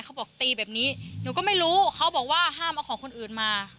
เขาบอกตีแบบนี้หนูก็ไม่รู้เขาบอกว่าห้ามเอาของคนอื่นมา